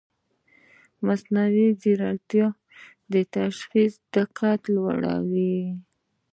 مصنوعي ځیرکتیا د تشخیص دقت لوړوي.